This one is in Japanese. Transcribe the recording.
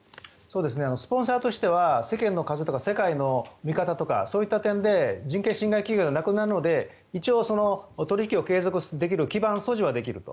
スポンサーとしては世間の風とか世界の見方とか、そういった点で人権侵害企業ではなくなるので一応、取引を継続できる基盤、素地はできると。